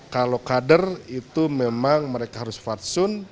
kalau kader itu memang mereka harus fatsun